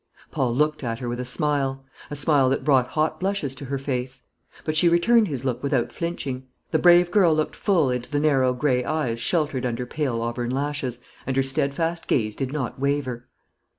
Paul looked at her with a smile a smile that brought hot blushes to her face; but she returned his look without flinching. The brave girl looked full into the narrow grey eyes sheltered under pale auburn lashes, and her steadfast gaze did not waver.